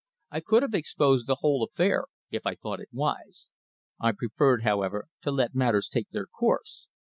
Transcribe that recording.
I could have exposed the whole affair if I had thought it wise. I preferred, however, to let matters take their course.